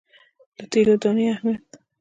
د تیلي دانو اهمیت.